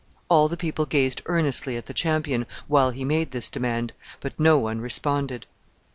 All the people gazed earnestly at the champion while he made this demand, but no one responded.